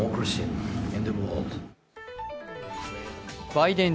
バイデン